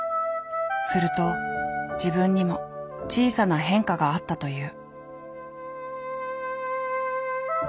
すると自分にも小さな変化があったという。